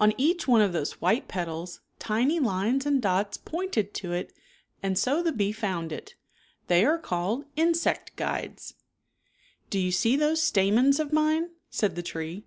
On each one of those white petals, tiny lines and dots pointed to it and so the bee found it. They are called insect guides. '■ straight into a Honhy Pot. "Do you see those stamens of mine? "said the tree.